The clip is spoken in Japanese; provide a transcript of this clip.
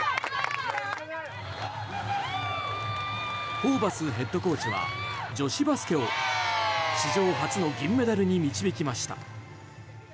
ホーバスヘッドコーチは女子バスケを史上初の銀メダルに導きました。